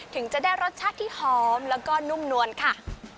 ถึงจะได้รสชาติที่หอมแล้วก็นุ่มนวลค่ะ